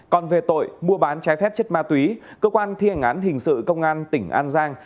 còn về tội mua bán trái phép chất ma túy cơ quan thi hành án hình sự công an tỉnh an giang